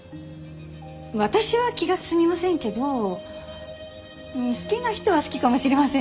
私は気が進みませんけど好きな人は好きかもしれませんね。